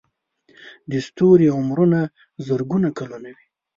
د ستوري عمرونه زرګونه کلونه وي.